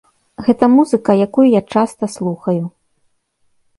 Гэта музыка, якую я часта слухаю.